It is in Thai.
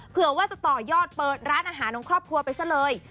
เผื่อว่าจะต่อยอดเปิดร้านอาหารของครอบครัวไปซะเลย